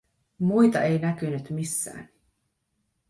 Muita ei näkynyt missään.